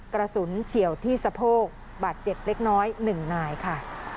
กระสุนเฉียวที่สะโพกบัตรเจ็บเล็กน้อย๑นายค่ะ